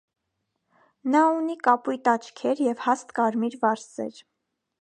Նա ունի կապույտ աչքեր և հաստ կարմիր վարսեր։